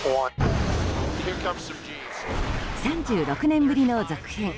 ３６年ぶりの続編。